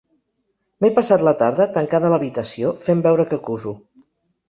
M'he passat la tarda tancada a l'habitació, fent veure que cuso.